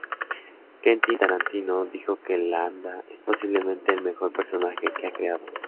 Quentin Tarantino dijo que Landa es posiblemente el mejor personaje que ha creado.